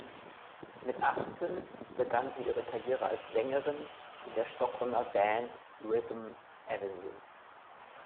Mit achtzehn begann sie ihre Karriere als Sängerin in der Stockholmer Band "Rhythm Avenue".